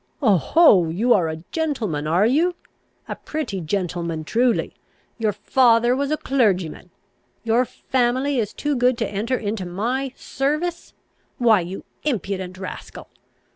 "Oh, ho, you are a gentleman, are you? A pretty gentleman truly! your father was a clergyman! Your family is too good to enter into my service! Why you impudent rascal!